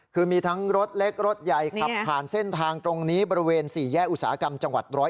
คือมีทั้งรถเล็กรถใหญ่ขับผ่านเส้นทางตรงนี้บริเวณ๔แยกอุตสาหกรรมจังหวัด๑๐๑